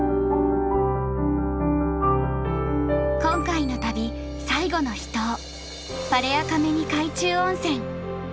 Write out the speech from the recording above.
今回の旅最後の秘湯パレア・カメニ海中温泉。